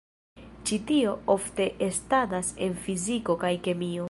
Ĉi tio ofte estadas en fiziko kaj kemio.